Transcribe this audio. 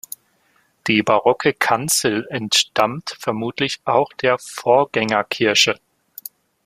Die barocke Kanzel entstammt vermutlich auch der Vorgängerkirche.